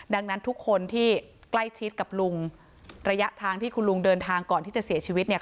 ดังนั้นทุกคนที่ใกล้ชิดกับลุงระยะทางที่คุณลุงเดินทางก่อนที่จะเสียชีวิตเนี่ย